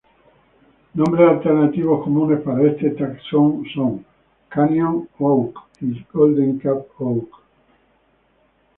Nombres alternativos comunes para este taxón son Canyon oak y "Golden-Cup Oak".